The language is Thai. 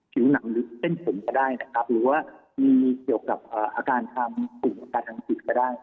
ถือหนลึกเต้นสนกันได้นะครับหรือมีเกี่ยวกับอาการทางะกิจก็ได้